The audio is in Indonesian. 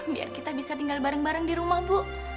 biar kita bisa tinggal bareng bareng di rumah bu